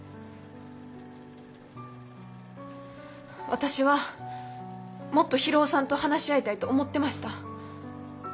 私はもっと博夫さんと話し合いたいと思ってました。